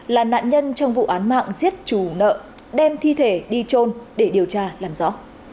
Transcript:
là nạn nhân trong vụ án mạng giết trù nợ đem thi thể đi trôn để điều tra làm rõ